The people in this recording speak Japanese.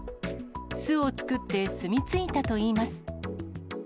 巣を作って住み着いたといいます。